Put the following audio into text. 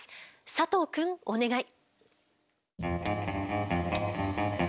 佐藤くんお願い。